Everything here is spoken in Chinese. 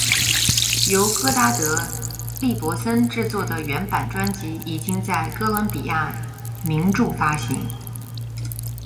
由哥达德·利伯森制作的原版专辑已经在哥伦比亚名著发行。